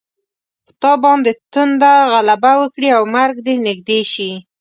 په تا باندې تنده غلبه وکړي او مرګ دې نږدې شي.